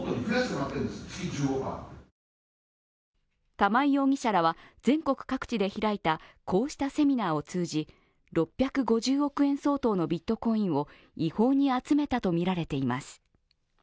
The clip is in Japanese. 玉井容疑者らは全国各地で開いたこうしたセミナーを通じ６５０億円相当のビットコインを違法に集めたとみられています。